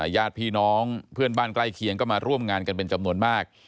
ญาติพี่น้องเพื่อนบ้านใกล้เคียงก็มาร่วมงานกันเป็นจำนวนมาก